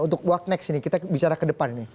untuk what next ini kita bicara ke depan ini